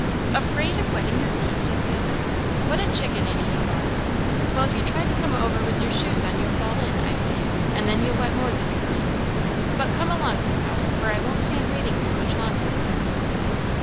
"Afraid of wetting your feet!" said the other; "what a chickaninny you are! Well, if you try to come over with your shoes on, you'll fall in, I tell you; and then you'll wet more than your feet. But come along somehow, for I won't stand waiting here much longer."